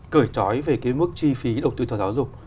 cởi trói về cái mức chi phí đầu tư cho giáo dục